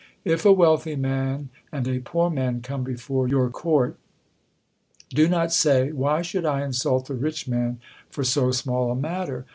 If a wealthy man and a poor man come before you to court, do not say: 'Why should I insult the rich man for so small a matter?